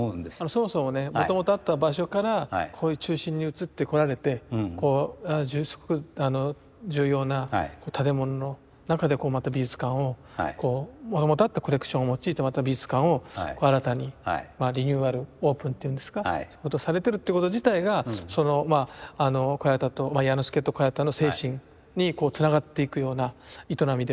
そもそもねもともとあった場所からこういう中心に移ってこられて重要な建物の中で美術館をもともとあったコレクションを用いてまた美術館を新たにリニューアルオープンっていうんですかされてるってこと自体が彌之助と小彌太の精神につながっていくような営みではあるんじゃないかと。